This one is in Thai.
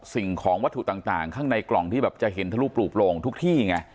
สิ่งของวัตถุต่างข้างในกล่องที่แบบจะเห็นทุกที่ไง